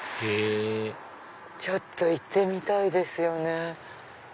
へぇちょっと行ってみたいですよね。